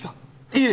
いえ